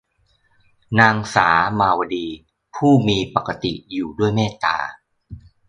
นางสามาวดี ผู้มีปกติอยู่ด้วยเมตตา